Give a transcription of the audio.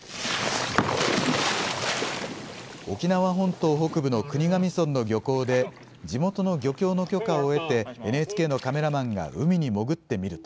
沖縄本島北部の国頭村の漁港で、地元の漁協の許可を得て、ＮＨＫのカメラマンが海に潜ってみると。